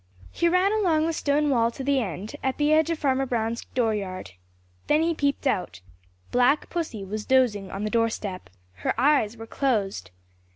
He ran along the stone wall to the end at the edge of Farmer Brown's dooryard. Then he peeped out. Black Pussy was dozing on the doorstep. Her eyes were closed.